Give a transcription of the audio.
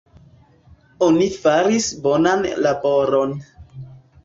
Oni faris bonan laboron.